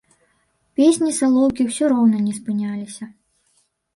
Песні салоўкі ўсё роўна не спыняліся.